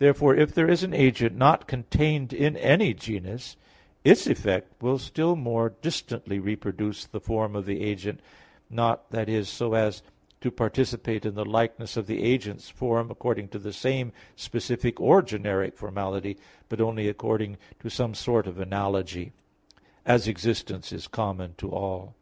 Therefore if there is an agent not contained in any genus, its effect will still more distantly reproduce the form of the agent, not, that is, so as to participate in the likeness of the agent's form according to the same specific or generic formality, but only according to some sort of analogy; as existence is common to all.